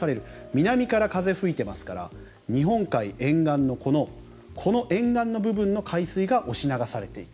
南から風が吹いていますから日本海沿岸のこの沿岸の部分の海水が押し流されていく。